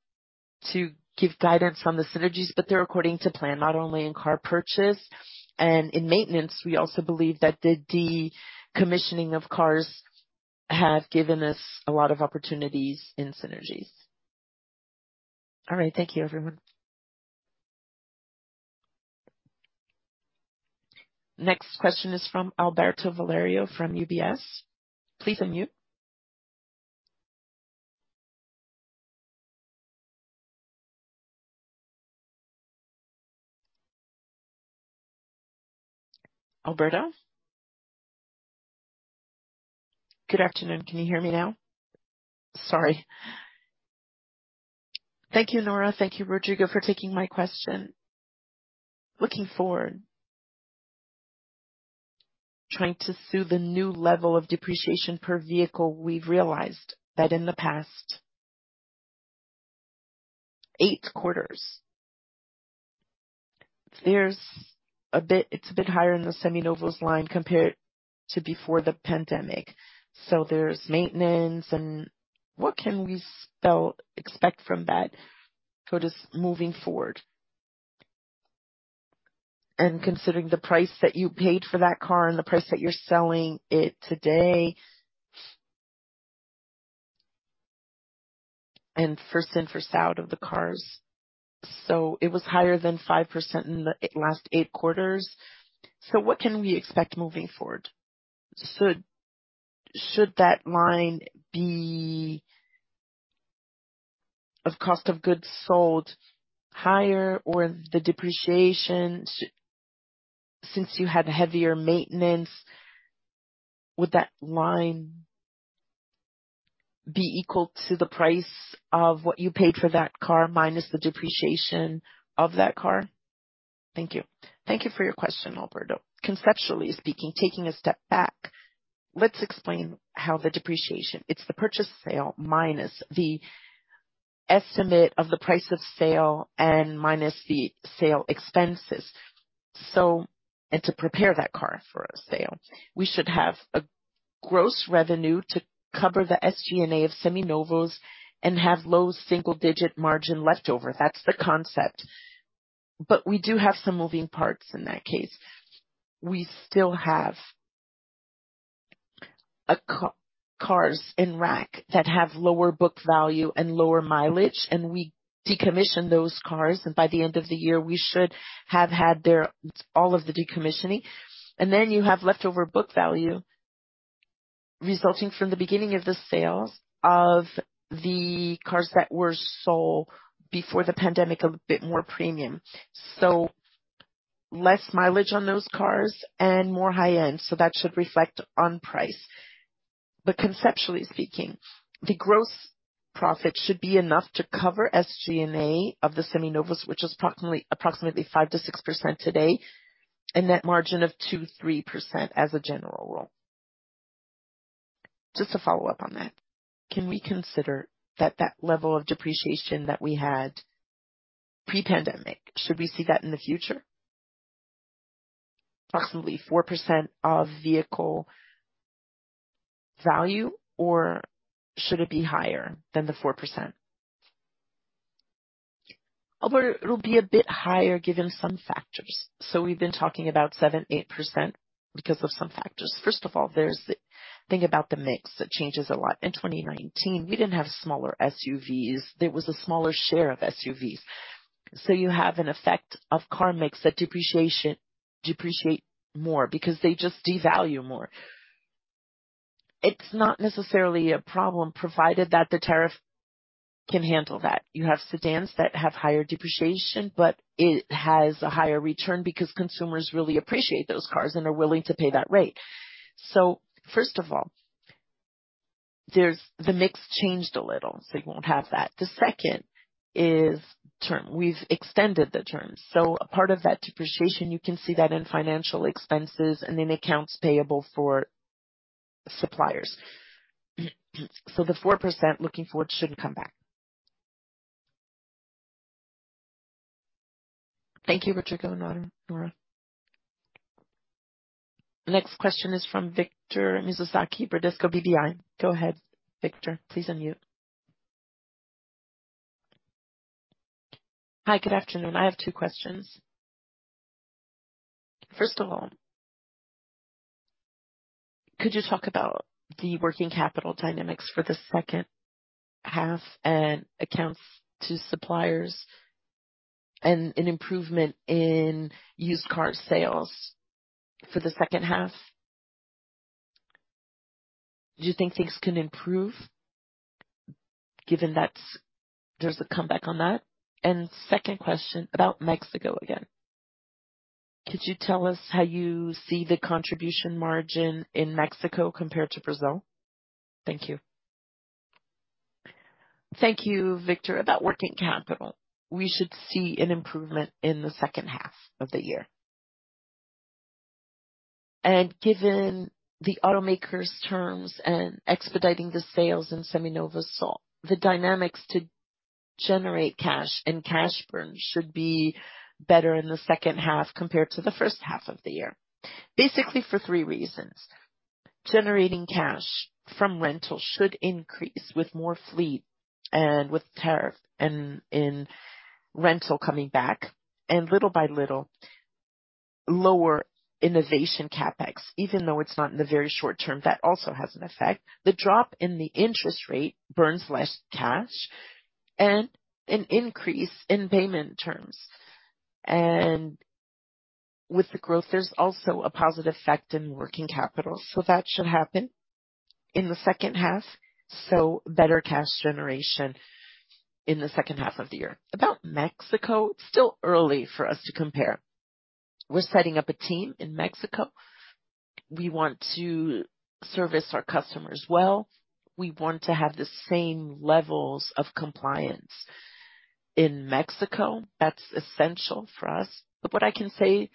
to give guidance on the synergies, but they're according to plan, not only in car purchase and in maintenance. We also believe that the decommissioning of cars have given us a lot of opportunities in synergies. All right, thank you, everyone. Next question is from Alberto Valerio, from UBS. Please unmute. Alberto? Good afternoon. Can you hear me now? Sorry. Thank you, Nora. Thank you, Rodrigo, for taking my question. Looking forward, trying to sue the new level of depreciation per vehicle, we've realized that in the past eight quarters, it's a bit higher in the Seminovos line compared to before the pandemic. There's maintenance, and what can we expect from that sort of moving forward? Considering the price that you paid for that car and the price that you're selling it today, and first in, first out of the cars, so it was higher than 5% in the last eight quarters. What can we expect moving forward? Should that line be of cost of goods sold higher or the depreciation, since you had heavier maintenance, would that line be equal to the price of what you paid for that car, minus the depreciation of that car? Thank you. Thank you for your question, Alberto. Conceptually speaking, taking a step back, let's explain how the depreciation. It's the purchase sale, minus the estimate of the price of sale and minus the sale expenses. To prepare that car for a sale, we should have a gross revenue to cover the SG&A of Seminovos and have low single digit margin left over. That's the concept, we do have some moving parts in that case. We still have cars in RAC that have lower book value and lower mileage, and we decommission those cars, and by the end of the year, we should have had all of the decommissioning. You have leftover book value resulting from the beginning of the sales of the cars that were sold before the pandemic, a bit more premium. Less mileage on those cars and more high-end. That should reflect on price. Conceptually speaking, the gross profit should be enough to cover SG&A of the Seminovos, which is approximately 5%-6% today, and net margin of 2%-3% as a general rule. Just to follow up on that, can we consider that that level of depreciation that we had pre-pandemic, should we see that in the future? Approximately 4% of vehicle value, or should it be higher than the 4%? Alberto, it'll be a bit higher given some factors. We've been talking about 7%-8% because of some factors. First of all, there's the thing about the mix. That changes a lot. In 2019, we didn't have smaller SUVs. There was a smaller share of SUVs. You have an effect of car mix that depreciate more because they just devalue more. It's not necessarily a problem, provided that the tariff can handle that. You have sedans that have higher depreciation, but it has a higher return because consumers really appreciate those cars and are willing to pay that rate. First of all, there's, the mix changed a little, so you won't have that. The second is term. We've extended the terms, a part of that depreciation, you can see that in financial expenses and in accounts payable for suppliers. The 4% looking forward shouldn't come back. Thank you, Rodrigo and Nora. Next question is from Victor Mizusaki, Bradesco BBI. Go ahead, Victor, please unmute. Hi, good afternoon. I have two questions. First of all, could you talk about the working capital dynamics for the second half and accounts to suppliers and an improvement in used car sales for the second half? Do you think things can improve given that there's a comeback on that? Second question, about Mexico again. Could you tell us how you see the contribution margin in Mexico compared to Brazil? Thank you. Thank you, Victor. About working capital, we should see an improvement in the second half of the year. Given the automakers terms and expediting the sales in Seminovos, the dynamics to generate cash and cash burn should be better in the second half compared to the first half of the year, basically for three reasons: generating cash from rentals should increase with more fleet and with tariff and in rental coming back, and little by little, lower innovation CapEx, even though it's not in the very short term, that also has an effect. The drop in the interest rate burns less cash and an increase in payment terms. With the growth, there's also a positive effect in working capital, so that should happen in the second half. Better cash generation in the second half of the year. About Mexico, still early for us to compare. We're setting up a team in Mexico. We want to service our customers well. We want to have the same levels of compliance in Mexico. That's essential for us. What I can say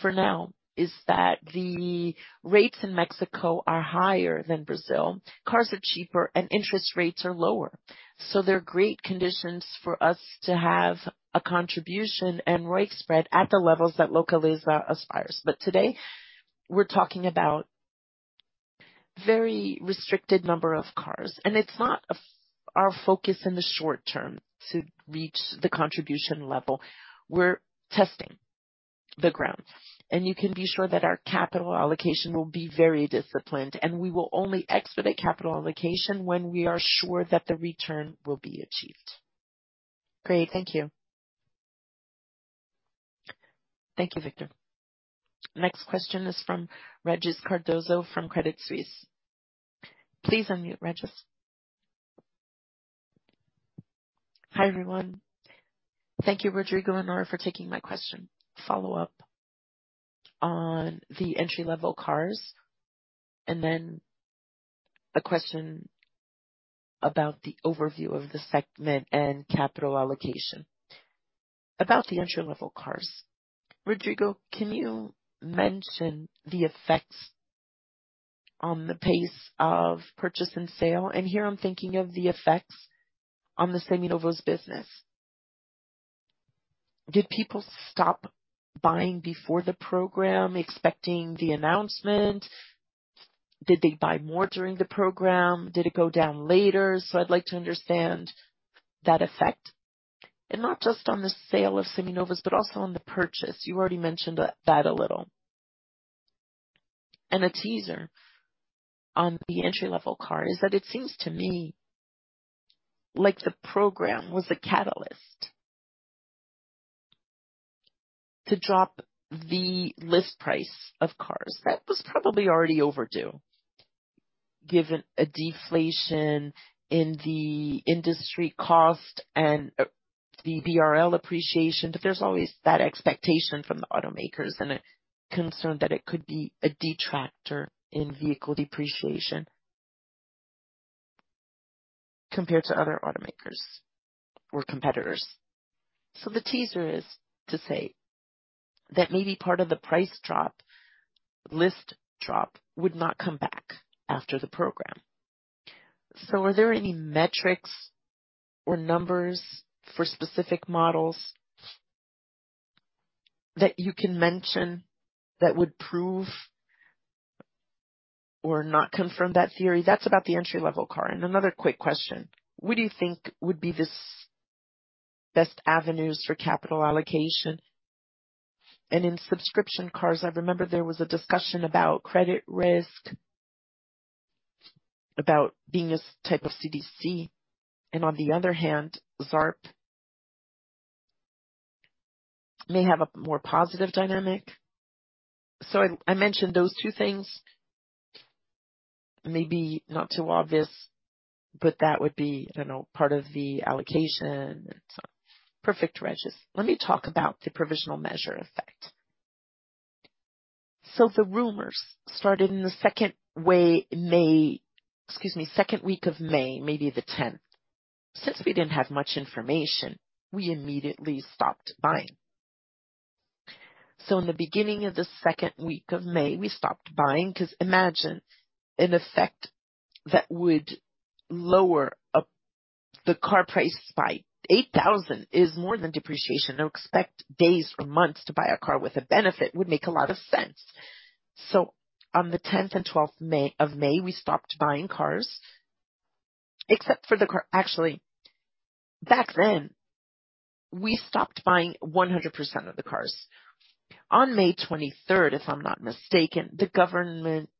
for now is that the rates in Mexico are higher than Brazil. Cars are cheaper and interest rates are lower. There are great conditions for us to have a contribution and ROIC spread at the levels that Localiza aspires. Today we're talking about very restricted number of cars, and it's not our focus in the short term to reach the contribution level. We're testing the ground, and you can be sure that our capital allocation will be very disciplined and we will only expedite capital allocation when we are sure that the return will be achieved. Great. Thank you. Thank you, Victor. Next question is from Regis Cardoso from Credit Suisse. Please unmute, Regis. Hi, everyone. Thank you, Rodrigo and Nora, for taking my question. Follow up on the entry-level cars, then a question about the overview of the segment and capital allocation. About the entry-level cars, Rodrigo, can you mention the effects on the pace of purchase and sale? Here I'm thinking of the effects on the Seminovos' business. Did people stop buying before the program, expecting the announcement? Did they buy more during the program? Did it go down later? I'd like to understand that effect, and not just on the sale of Seminovos, but also on the purchase. You already mentioned that, that a little. A teaser on the entry-level car is that it seems to me like the program was a catalyst to drop the list price of cars. That was probably already overdue, given a deflation in the industry cost and the BRL appreciation. There's always that expectation from the automakers and a concern that it could be a detractor in vehicle depreciation compared to other automakers or competitors. The teaser is to say that maybe part of the price drop, list drop would not come back after the program. Are there any metrics or numbers for specific models that you can mention that would prove or not confirm that theory? That's about the entry-level car. Another quick question: What do you think would be this best avenues for capital allocation? In subscription cars, I remember there was a discussion about credit risk... about being a type of CDC, and on the other hand, Zarp may have a more positive dynamic. I, I mentioned those two things. Maybe not too obvious, but that would be, I don't know, part of the allocation. Perfect, Regis. Let me talk about the Provisional Measure effect. The rumors started in the second way, excuse me, second week of May, maybe the 10th. Since we didn't have much information, we immediately stopped buying. In the beginning of the second week of May, we stopped buying, because imagine an effect that would lower the car price by 8,000 is more than depreciation. To expect days or months to buy a car with a benefit would make a lot of sense. On the 10th and 12th of May, we stopped buying cars, except for the car... Actually, back then, we stopped buying 100% of the cars. On May 23rd, if I'm not mistaken, the government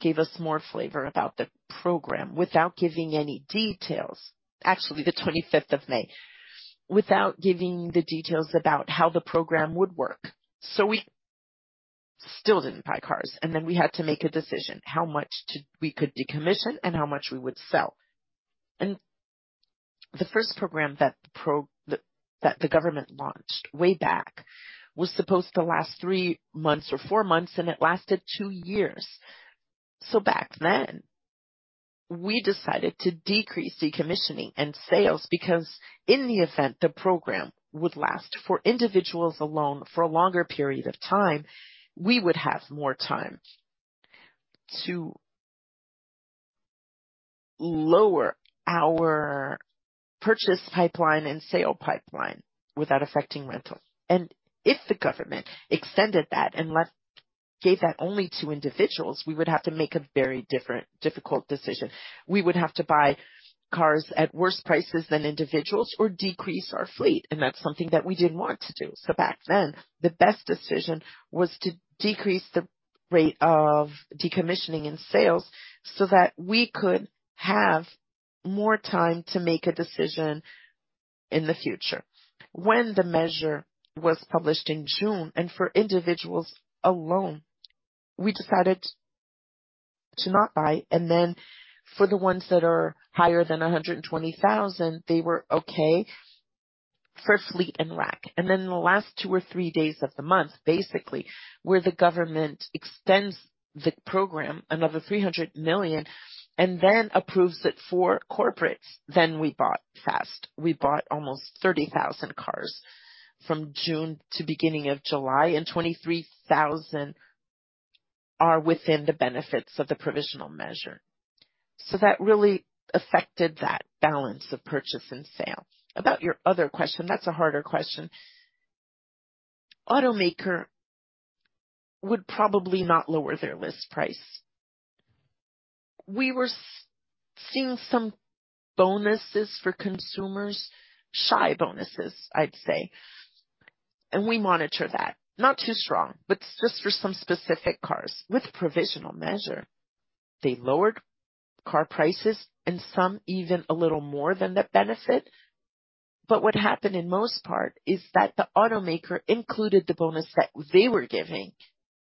gave us more flavor about the program without giving any details. Actually, the 25th of May, without giving the details about how the program would work. We still didn't buy cars, and then we had to make a decision: how much we could decommission and how much we would sell. The first program that the government launched way back was supposed to last three months or four months, and it lasted two years. Back then, we decided to decrease decommissioning and sales because in the event the program would last for individuals alone for a longer period of time, we would have more time to lower our purchase pipeline and sale pipeline without affecting rental. If the government extended that and left, gave that only to individuals, we would have to make a very different, difficult decision. We would have to buy cars at worse prices than individuals or decrease our fleet, and that's something that we didn't want to do. Back then, the best decision was to decrease the rate of decommissioning and sales so that we could have more time to make a decision in the future. When the Provisional Measure was published in June, for individuals alone, we decided to not buy, and then for the ones that are higher than 120,000, they were okay for fleet and RAC. In the last two or three days of the month, basically, where the government extends the program another 300 million, then approves it for corporates, we bought fast. We bought almost 30,000 cars from June to beginning of July, and 23,000 are within the benefits of the Provisional Measure. That really affected that balance of purchase and sale. About your other question, that's a harder question. Automaker would probably not lower their list price. We were seeing some bonuses for consumers, shy bonuses, I'd say, and we monitor that. Not too strong, but just for some specific cars. With provisional measure, they lowered car prices and some even a little more than the benefit. What happened in most part is that the automaker included the bonus that they were giving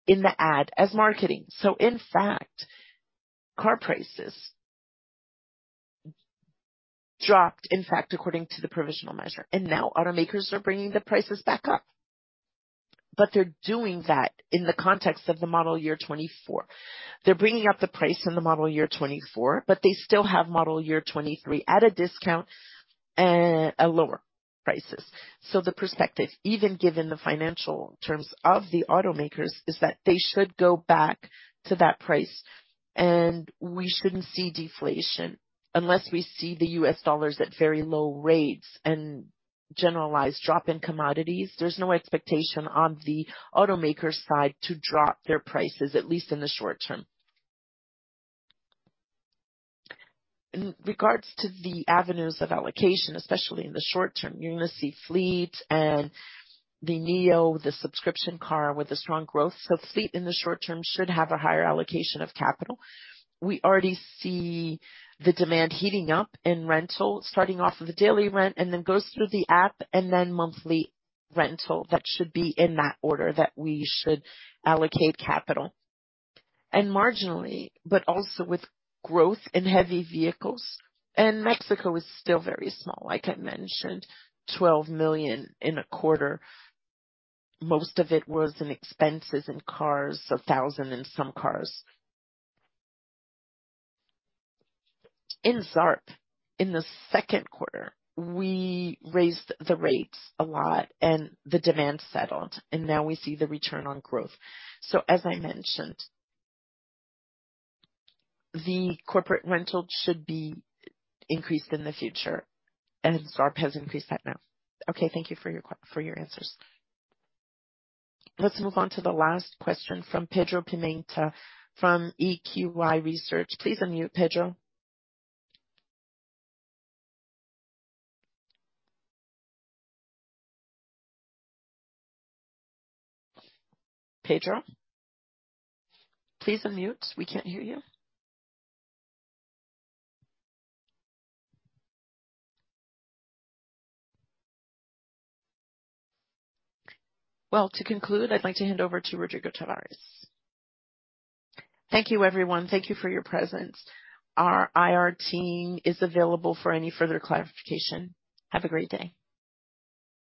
in the ad as marketing. In fact, car prices dropped, in fact, according to the provisional measure, and now automakers are bringing the prices back up. They're doing that in the context of the model year 24. They're bringing up the price in the model year 24, but they still have model year 23 at a discount and at lower prices. The perspective, even given the financial terms of the automakers, is that they should go back to that price, and we shouldn't see deflation. Unless we see the US dollars at very low rates and generalized drop in commodities, there's no expectation on the automaker side to drop their prices, at least in the short term. In regards to the avenues of allocation, especially in the short term, you're going to see fleet and the Meoo, the subscription car, with the strong growth. Fleet in the short term should have a higher allocation of capital. We already see the demand heating up in rental, starting off with the daily rent and then goes through the app and then monthly rental. That should be in that order, that we should allocate capital. Marginally, but also with growth in heavy vehicles. Mexico is still very small. Like I mentioned, 12 million in a quarter. Most of it was in expenses, in cars, 1,000 and some cars. In Zarp, in the 2Q, we raised the rates a lot and the demand settled, and now we see the return on growth. As I mentioned, the corporate rental should be increased in the future, and Zarp has increased that now. Okay, thank you for your answers. Let's move on to the last question from Pedro Pimenta from EQI Research. Please unmute, Pedro. Pedro, please unmute. We can't hear you. Well, to conclude, I'd like to hand over to Rodrigo Tavares. Thank you, everyone. Thank you for your presence. Our IR team is available for any further clarification. Have a great day.